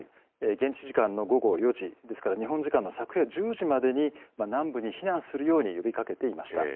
現地時間の午後４時ですから、日本時間の昨夜１０時までに南部に避難するように呼びかけていました。